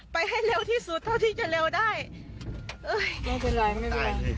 ให้เร็วที่สุดเท่าที่จะเร็วได้เอ้ยไม่เป็นไรไม่เป็นไร